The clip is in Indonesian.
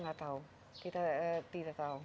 nah itu kita tidak tahu